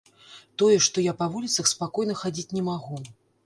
Тое, што я па вуліцах спакойна хадзіць не магу.